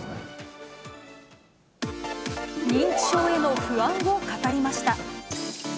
認知症への不安を語りました。